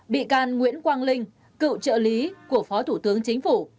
bị can nguyễn quang linh cựu trợ lý của phó thủ tướng chính phủ